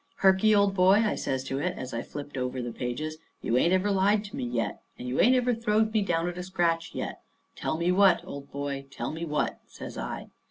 "Herky, old boy," I says to it, as I flipped over the pages, "you ain't ever lied to me yet, and you ain't ever throwed me down at a scratch yet. Tell me what, old boy, tell me what!" says I.